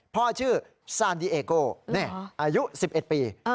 ชื่อซานดีเอโกอายุ๑๑ปี